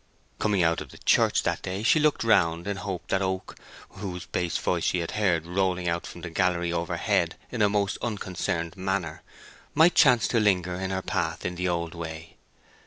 Coming out of church that day she looked round in hope that Oak, whose bass voice she had heard rolling out from the gallery overhead in a most unconcerned manner, might chance to linger in her path in the old way.